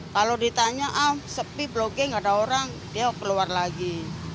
kalau ditanya ah sepi blok g nggak ada orang dia keluar lagi